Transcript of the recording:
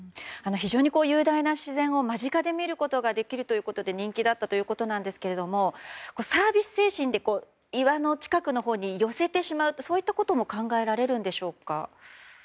非常に雄大な自然を間近で見れるというところが人気だったということですがサービス精神で岩の近くのほうに寄せてしまうということも考えられるんでしょうか？